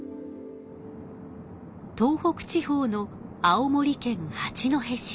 東北地方の青森県八戸市。